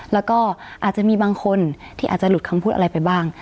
แล้วก็อาจจะมีบางคนที่อาจจะหลุดคำพูดอะไรไปบ้าง